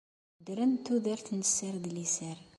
Ddren tudert n sser d liser.